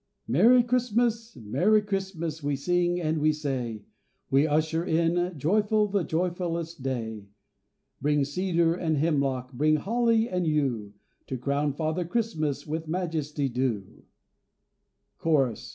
_) MERRY CHRISTMAS! Merry Christmas! we sing and we say. We usher in joyful the joyfullest day. Bring cedar and hemlock, Bring holly and yew, To crown Father Christmas with majesty due. _Chorus.